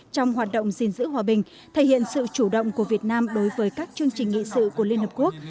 trong hoạt động gìn giữ hòa bình thể hiện sự chủ động của việt nam đối với các chương trình nghị sự của liên hợp quốc